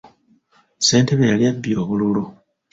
Ssentebe yali abbye obululu.